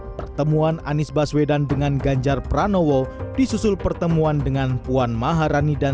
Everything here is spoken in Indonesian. pertemuan anies baswedan dengan ganjar pranowo disusul pertemuan dengan puan maharani dan